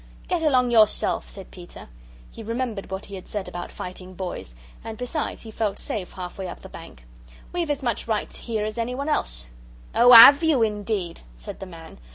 "Get along yourself," said Peter. He remembered what he had said about fighting boys, and, besides, he felt safe halfway up the bank. "We've as much right here as anyone else." "Oh, 'AVE you, indeed!" said the man.